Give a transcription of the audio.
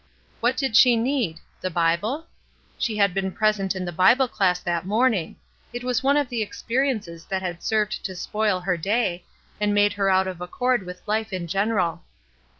What did she need? The Bible? She had been present in the Bible class that morning; it was one of the experiences that had served to spoil her day, and make her out of accord with life in general.